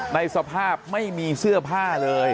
ในสภาพไม่มีเสื้อผ้าเลย